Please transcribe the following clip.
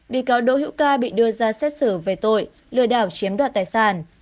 bị cáo đỗ hữu ca bị đưa ra xét xử về tội lừa đảo chiếm đoạt tài sản